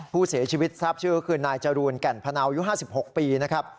ผู้เสียชีวิตทราบชื่อก็คือนายจรูนแก่นพนาวยุ๕๖ปีนะครับ